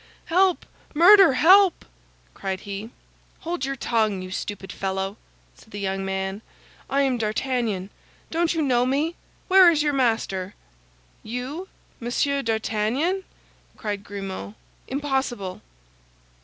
"Help! murder! help!" cried he. "Hold your tongue, you stupid fellow!" said the young man; "I am D'Artagnan; don't you know me? Where is your master?" "You, Monsieur d'Artagnan!" cried Grimaud, "impossible."